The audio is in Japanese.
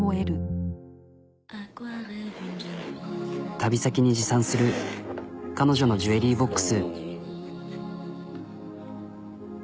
旅先に持参する彼女のジュエリーボックス。